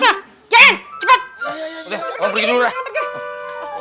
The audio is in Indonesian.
udah gua pergi dulu